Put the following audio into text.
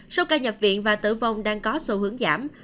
số ca nhập viện và tử vong đang có xu hướng giảm